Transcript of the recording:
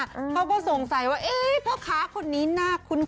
เขาก็สงสัยว่าเพราะขาคนนี้น่าคุ้นนะ